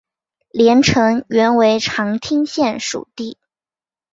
连城原为长汀县属地。